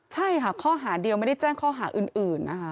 ใช่ค่ะข้อหาเดียวไม่ได้แจ้งข้อหาอื่นนะคะ